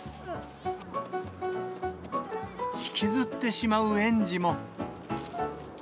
引きずってしまう園児も。